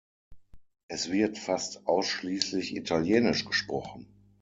Es wird fast ausschliesslich Italienisch gesprochen.